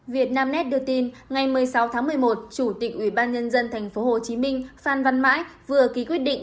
việt nam nét đưa tin ngày một mươi sáu tháng một mươi một chủ tịch ubnd tp hcm phan văn mãi vừa ký quyết định